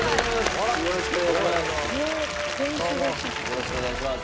よろしくお願いします。